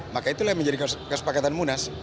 maka itulah yang menjadi kesepakatan munas